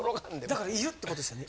だからいるってことですよね。